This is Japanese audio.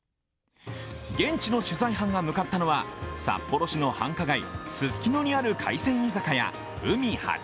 現地の取材班が向かったのは札幌市の繁華街・すすきのにある海鮮居酒屋海味はち